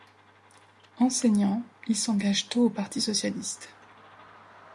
Enseignant, il s'engage tôt au Parti socialiste.